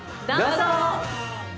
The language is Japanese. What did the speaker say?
どうぞ。